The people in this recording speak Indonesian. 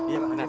iya pak ganes